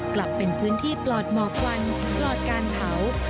กลับเป็นพื้นที่ปลอดหมอกควันปลอดการเผา